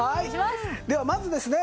ではまずですね